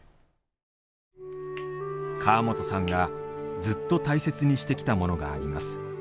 川本さんが、ずっと大切にしてきたものがあります。